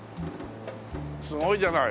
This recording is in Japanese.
すごいじゃない。